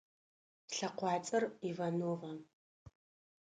Слъэкъуацӏэр Иванова.